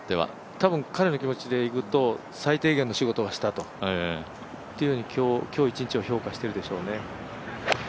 多分彼の気持ちでいくと、最低限の仕事はしたというように今日一日を評価してるでしょうね。